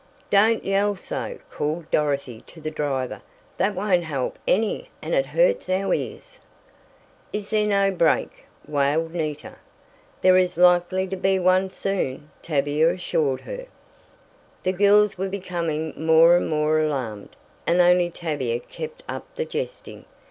"Don't yell so!" called Dorothy to the driver. "That won't help any and it hurts our ears." "Is there no brake?" wailed Nita. "There is likely to be one soon," Tavia assured her. The girls were becoming more and more alarmed, and only Tavia kept up the jesting.